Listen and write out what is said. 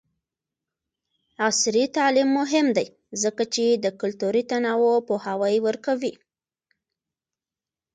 عصري تعلیم مهم دی ځکه چې د کلتوري تنوع پوهاوی ورکوي.